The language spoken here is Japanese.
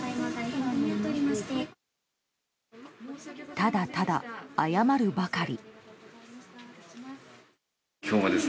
ただただ謝るばかり。